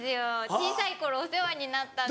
小さい頃お世話になったんです。